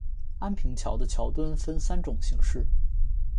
安平桥底的桥墩分三种形式。